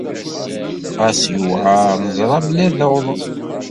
Ɣas yuɛeṛ, neẓṛa belli ad awḍen.